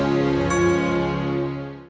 jangan lupa like subscribe dan share ya